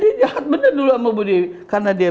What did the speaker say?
dia jahat bener dulu sama budi karena dia